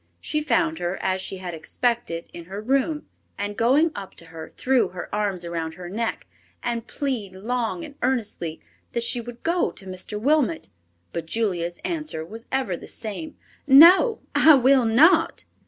She found her, as she had expected, in her room, and going up to her threw her arms around her neck, and plead long and earnestly that she would go to Mr. Wilmot. But Julia's answer was ever the same, "No, I will not."